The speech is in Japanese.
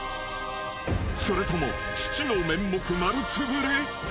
［それとも父の面目丸つぶれ？］